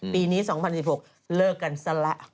ปีนี้๒๐๑๖เลิกกันซะละ